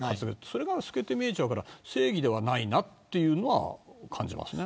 それが透けて見えちゃうから正義ではないなと感じます。